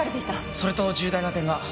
それと重大な点が。